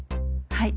はい。